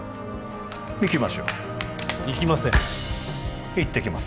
行きましょう行きません行ってきます